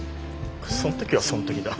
そん時はそん時だ